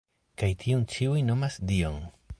Kaj tiun ĉiuj nomas Dion”.